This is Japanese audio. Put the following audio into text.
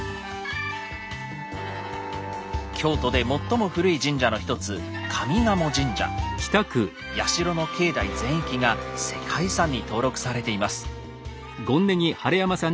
京都で最も古い神社の一つ社の境内全域が世界遺産に登録されています。